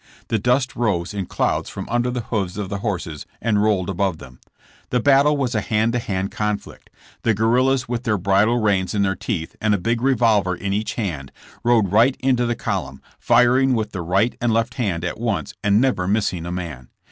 The dust rose in clouds from under the hoofs of the horses and rolled above them. The battle was a hand to hand conflict. The guerrillas with their bridle reins in their teeth and a big revolver in each hand, rode right into the Cvolumn, firing with the right and left hand at once and never missing a man.